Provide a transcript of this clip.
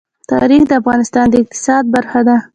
تاریخ د افغانستان د اقتصاد برخه ده.